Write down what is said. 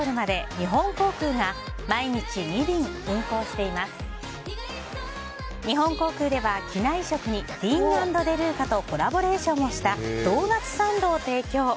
日本航空では、機内食にＤＥＡＮ＆ＤＥＬＵＣＡとコラボレーションをしたドーナツサンドを提供。